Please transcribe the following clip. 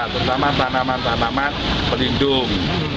terutama tanaman tanaman pelindung